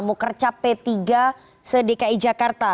mukercap p tiga se dki jakarta